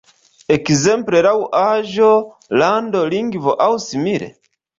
Ekzemple laŭ aĝo, lando, lingvo aŭ simile?